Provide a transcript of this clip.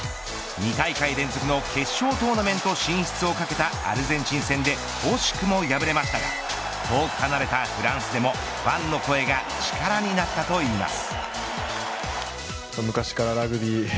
２大会連続の決勝トーナメント進出を懸けたアルゼンチン戦で惜しくも敗れましたが遠く離れたフランスでもファンの声が力になったといいます。